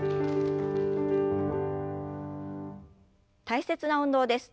大切な運動です。